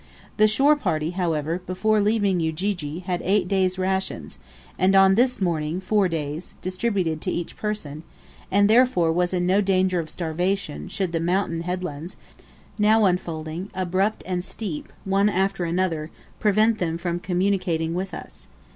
The shore party, however, before leaving Ujiji, had eight days' rations, and on this morning four days', distributed to each person, and therefore was in no danger of starvation should the mountain headlands, now unfolding, abrupt and steep, one after another, prevent them from communicating with us.